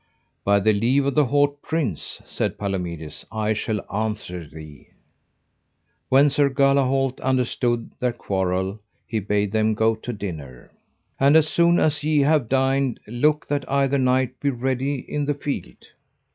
By the leave of the haut prince, said Palomides, I shall answer thee. When Sir Galahalt understood their quarrel he bade them go to dinner: And as soon as ye have dined look that either knight be ready in the field.